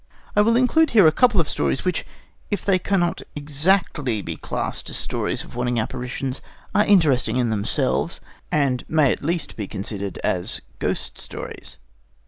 I will include here a couple of stories which, if they cannot exactly be classed as stories of warning apparitions, are interesting in themselves, and may at least be considered as ghost stories.